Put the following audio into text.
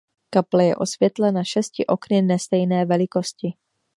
Kaple je osvětlena šesti okny nestejné velikosti.